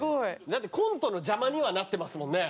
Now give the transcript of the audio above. だってコントの邪魔にはなってますもんね。